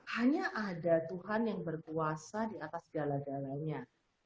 hanya ada tuhan yang berkuasa di atas jala jalanya